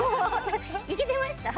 いけてました？